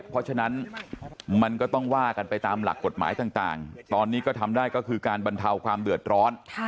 เพราะฉะนั้นมันก็ต้องว่ากันไปตามหลักกฎหมายต่างตอนนี้ก็ทำได้ก็คือการบรรเทาความเดือดร้อน